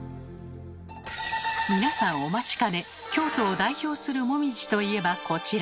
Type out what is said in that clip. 皆さんお待ちかね京都を代表するもみじと言えばこちら。